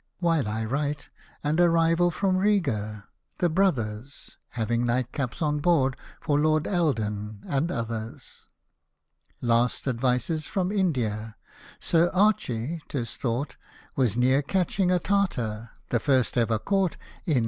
(While I write, an arrival from Riga — the "Brothers" — Having nightcaps on board for Lord Eldon and others.) Last advices from India — Sir Archy, 'tis thought, Was near catching a Tartar (the first ever caught In N.